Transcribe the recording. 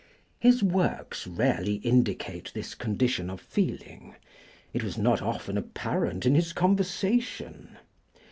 His works rarely indicate this condition of feeling; it was not often apparent in his conversation.